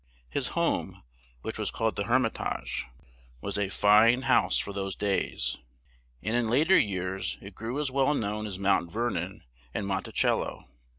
His home, which was called "The Her mit age," was a fine house for those days, and in later years it grew as well known as Mt. Ver non and Mon ti cel lo.